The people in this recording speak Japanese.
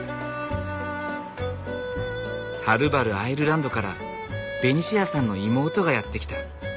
はるばるアイルランドからベニシアさんの妹がやって来た。